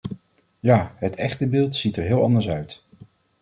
Ja, het echte beeld ziet er heel anders uit.